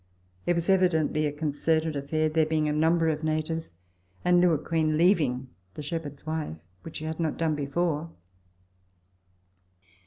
It was evidently a concerted affair, there being a number of natives, and Lewequeen leaving the shepherd's wife, which she had not done before.